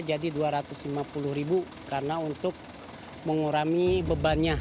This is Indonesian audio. jadi dua ratus lima puluh ribu karena untuk mengurangi bebannya